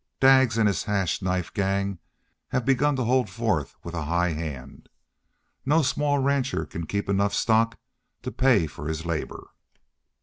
Daggs an' his Hash Knife Gang have begun to hold forth with a high hand. No small rancher can keep enough stock to pay for his labor."